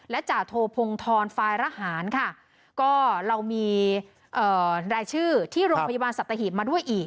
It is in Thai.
และจาโทพงธรฟายระหารค่ะก็เรามีรายชื่อที่โรงพยาบาลสัตหีบมาด้วยอีก